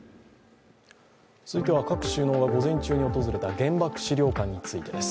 続いては、各首脳が午前中に訪れた原爆資料館についてです。